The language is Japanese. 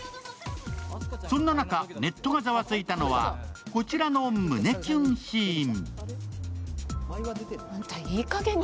そんな中、ネットがざわついたのはこちらの胸キュンシーン。